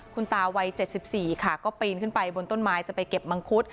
คุณตาวัย๗๔ค่ะก็ปีนขึ้นไปบนต้นไม้จะไปเก็บมังคุด